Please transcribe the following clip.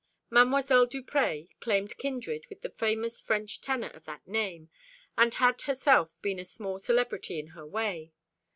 Mademoiselle Duprez claimed kindred with the famous French tenor of that name, and had herself been a small celebrity in her way.